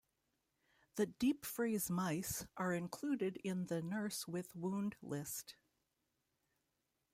The Deep Freeze Mice are included in the Nurse with Wound list.